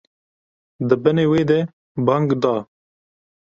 Di binê wê de bang da.